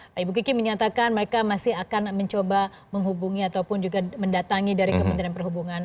pak ibu kiki menyatakan mereka masih akan mencoba menghubungi ataupun juga mendatangi dari kementerian perhubungan